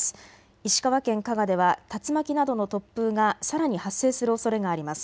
石川県加賀では竜巻などの突風がさらに発生するおそれがあります。